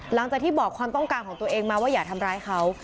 หลังจากที่บอกความต้องการของตัวเองมาว่าอย่าทำร้ายเขา